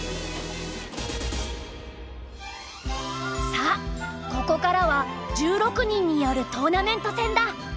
さあここからは１６人によるトーナメント戦だ。